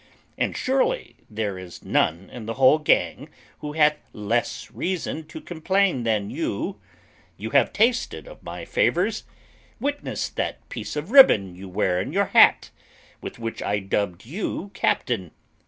And surely there is none in the whole gang who hath less reason to complain than you; you have tasted of my favours: witness that piece of ribbon you wear in your hat, with which I dubbed you captain.